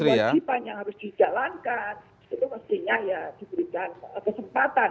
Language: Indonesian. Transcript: untuk penyelidikan yang harus dijalankan